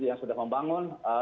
yang sudah membangun